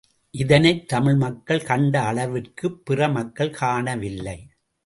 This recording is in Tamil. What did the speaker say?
இதனைத் தமிழ் மக்கள் கண்ட அளவிற்குப் பிற மக்கள் காணவில்லை.